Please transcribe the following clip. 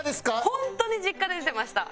本当に実家で出てました。